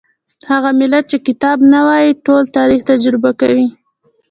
هغه ملت چې کتاب نه وايي ټول تاریخ تجربه کوي.